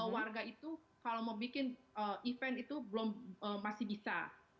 warga itu kalau mau bikin event itu belum masih bisa